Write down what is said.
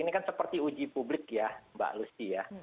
ini kan seperti uji publik ya mbak lucy ya